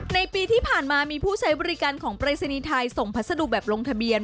ในปีที่ผ่านมามีผู้ใช้บริการของปรัสดุแบบลงทะเบียน